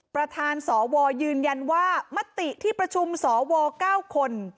ประธานสวยืนยันว่ามติที่ประชุมสว๙คน